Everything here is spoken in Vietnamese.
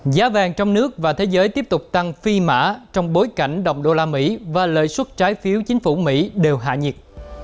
giá vàng trong nước và thế giới tiếp tục tăng phi mã trong bối cảnh đồng đô la mỹ và lợi suất trái phiếu chính phủ mỹ đều hạ nhiệt